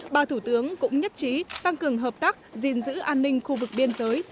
ba thủ tướng cũng nhất trí tăng cường hợp tác gìn giữ an ninh khu vực biên giới